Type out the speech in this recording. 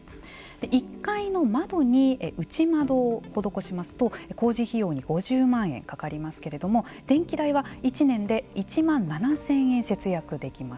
１階の窓に内窓を施しますと工事費用に５０万円かかりますけれども電気代は１年で１万７０００円節約できます。